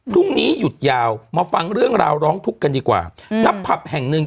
พรุ่งนี้หยุดยาวมาฟังเรื่องราวร้องทุกข์กันดีกว่าอืมณผับแห่งหนึ่ง